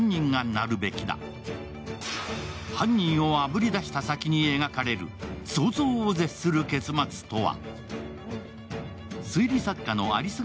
犯人をあぶり出した先に描かれる、想像を絶する結末とは？